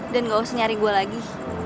dan gak usah nyari gue lagi